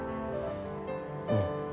うん。